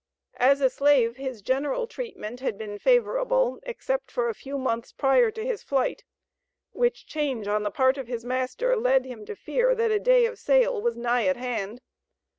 As a slave, his general treatment had been favorable, except for a few months prior to his flight, which change on the part of his master led him to fear that a day of sale was nigh at hand.